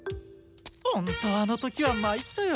ほんとあの時は参ったよ。